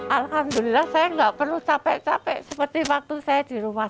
alhamdulillah saya nggak perlu capek capek seperti waktu saya di rumah